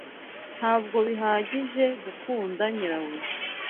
Ntabwo bihagije gukunda nyirabuja